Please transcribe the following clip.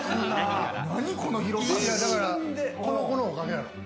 この子のおかげやろ。